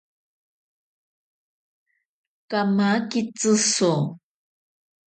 Kamake tziso.